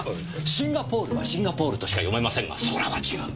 シンガポールはシンガポールとしか読めませんが空は違う。